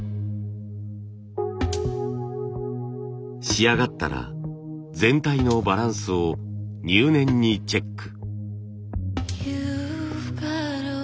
仕上がったら全体のバランスを入念にチェック。